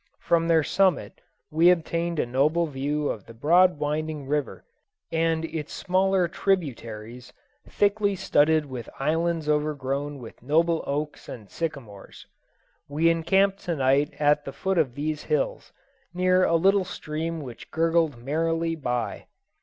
From their summit we obtained a noble view of the broad winding river and its smaller tributaries, thickly studded with islands overgrown with noble oaks and sycamores. We encamped to night at the foot of these hills, near a little stream which gurgled merrily by.